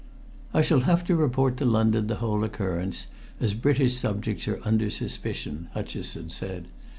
"I shall have to report to London the whole occurrence, as British subjects are under suspicion," Hutcheson said.